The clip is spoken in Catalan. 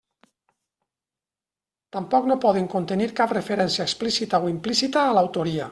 Tampoc no poden contenir cap referència explícita o implícita a l'autoria.